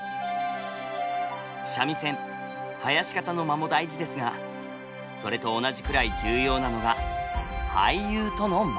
三味線囃子方の間も大事ですがそれと同じくらい重要なのが俳優との間。